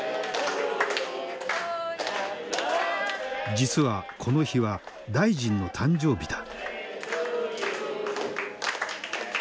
実はこの日は大臣の誕生日だ。